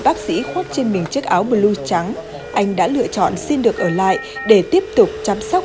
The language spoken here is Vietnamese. bác sĩ khuất trên mình chiếc áo blue trắng anh đã lựa chọn xin được ở lại để tiếp tục chăm sóc